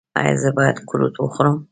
ایا زه باید قروت وخورم؟